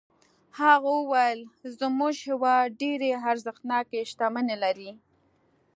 هغه وویل زموږ هېواد ډېرې ارزښتناکې شتمنۍ لري.